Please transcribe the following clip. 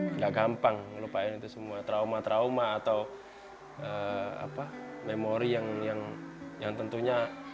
tidak gampang melupain itu semua trauma trauma atau memori yang tentunya